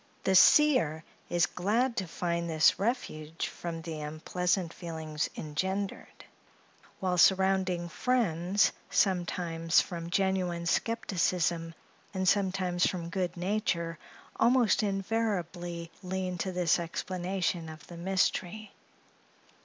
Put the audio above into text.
The seer is glad to find this refuge from the unpleasant feelings engendered; while surrounding friends, sometimes from genuine skepticism, and sometimes from good nature, almost invariably lean to this explanation of the mystery.